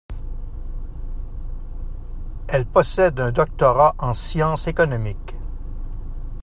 Elle possède un doctorat en sciences économiques.